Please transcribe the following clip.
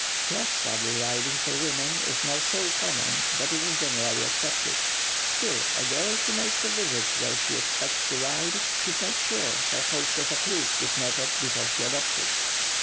Cross saddle riding for women is now so common that it is generally accepted. Still a girl who makes a visit where she expects to ride should make sure her hostess approves this method before she adopts it.